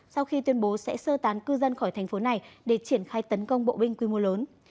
sau khi tuyên bố sẽ sơ tán cư dân khỏi thành phố này để triển khai tấn công bộ binh quy mô lớn